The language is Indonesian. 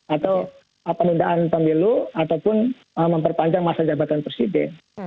atau penundaan pemilu ataupun memperpanjang masa jabatan presiden